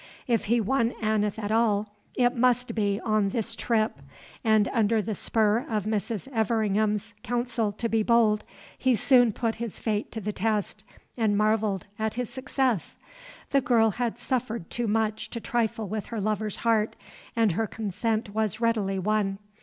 If he won Aneth at all, it must be on this trip, and under the spur of Mrs. Everingham's counsel to be bold, he soon put his fate to the test and marveled at his success. The girl had suffered too much to trifle with her lover's heart, and her consent was readily won.